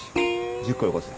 １０個よこせ。